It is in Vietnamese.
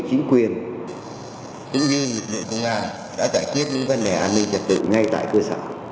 chính quyền cũng như lực lượng công an đã giải quyết những vấn đề an ninh trật tự ngay tại cơ sở